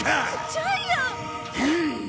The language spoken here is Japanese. ジャイアン！